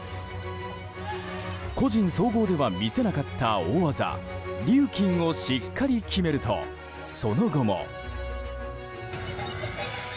個人総合では見せなかった大技リューキンをしっかり決めるとその後も。